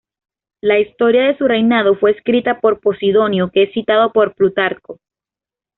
La historia de su reinado fue escrita por Posidonio que es citado por Plutarco.